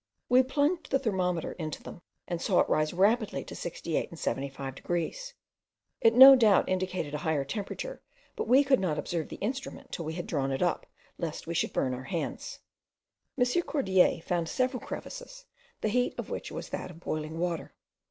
We plunged the thermometer into them, and saw it rise rapidly to 68 and 75 degrees. It no doubt indicated a higher temperature, but we could not observe the instrument till we had drawn it up, lest we should burn our hands. M. Cordier found several crevices, the heat of which was that of boiling water.